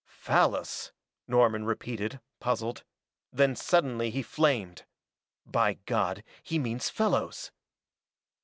"Fallas " Norman repeated, puzzled; then suddenly he flamed. "By God, he means Fellows!"